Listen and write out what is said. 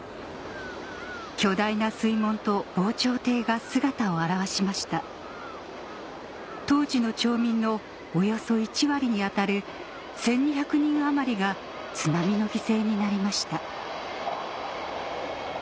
巨大な水門と防潮堤が姿を現しました当時の町民のおよそ１割に当たる１２００人余りが津波の犠牲になりました